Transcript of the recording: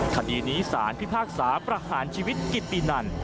คดีนี้สารพิพากษาประหารชีวิตกิตตินัน